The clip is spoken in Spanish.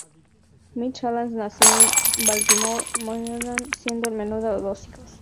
Mitch Allan nació en Baltimore, Maryland, siendo el menor de dos hijos.